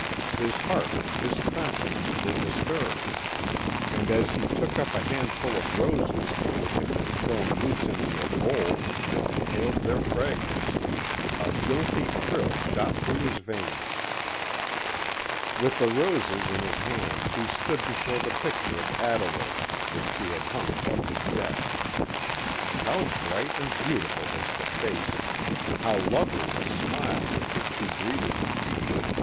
His heart and his conscience were disturbed, and as he took up a handful of roses which had been thrown loose into a bowl and inhaled their fragrance, a guilty thrill shot through his veins. With the roses in his hand he stood before the picture of Adelaide, which she had hung above his desk. How bright and beautiful was the face, how lovely the smile with which she greeted him!